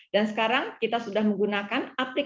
dan sekarang kita sudah menggunakan aplikasi yang berbeda